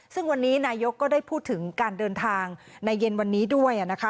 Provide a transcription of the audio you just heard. ซึ่งวันนี้นายกก็ได้พูดถึงการเดินทางในเย็นวันนี้ด้วยนะคะ